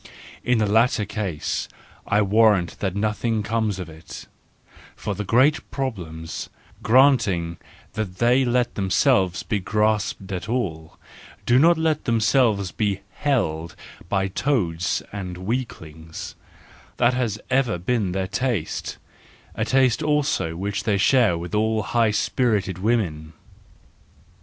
In the latter case I warrant that nothing comes of it: for the great problems, grant ing that they let themselves be grasped at all, do not let themselves be held by toads and weaklings : that has ever been their taste—a taste also which they share with all high spirited women.